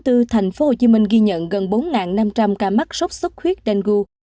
tp hcm ghi nhận gần bốn năm trăm linh ca mắc sốt xuất huyết dengue